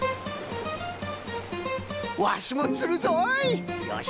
ワシもつるぞい！